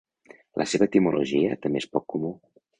La seva etimologia també és poc comú.